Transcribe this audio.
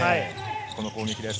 この攻撃です。